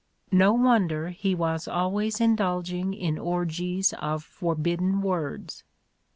No wonder he was always indulging in orgies of forbidden words.